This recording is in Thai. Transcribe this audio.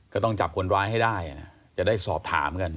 ก็ต้องจับคนร้ายให้ได้นะจะได้สอบถามกัน